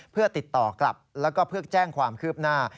เพื่อติดต่อกลับแล้วก็เพื่อแจ้งความคืบหน้า